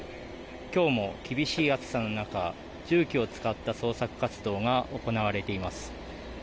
今日も厳しい暑さの中重機を使った捜索活動が行われています。